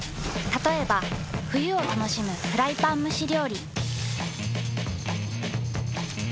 たとえば冬を楽しむフライパン蒸し料理。